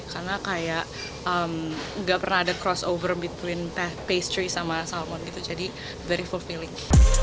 karena kayak gak pernah ada crossover between pastry sama salmon gitu jadi very fulfilling